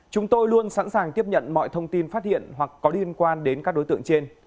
chúng tôi luôn sẵn sàng tiếp nhận mọi thông tin phát hiện hoặc có liên quan đến các đối tượng trên